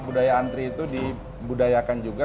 budaya antri itu dibudayakan juga